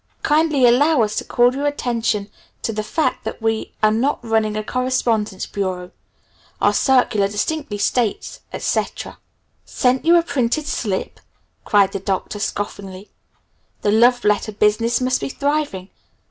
Kindly allow us to call your attention to the fact that we are not running a correspondence bureau. Our circular distinctly states, etc." "Sent you a printed slip?" cried the Doctor scoffingly. "The love letter business must be thriving.